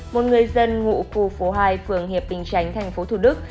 một người dân ngụ khu phố hai phường hiệp bình chánh tp thủ đức